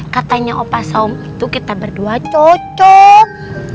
katanya opa saum itu kita berdua cocok